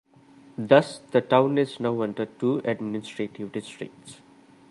Thus, the town is now under two administrative districts.